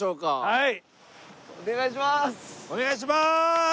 はい。